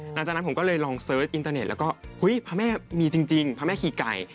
หลังจากนั้นผมก็เลยลองเสิร์ชอินเตอร์เน็ตแล้วก็เฮ้ยพระแม่มีจริงพระแม่ขี่ไก่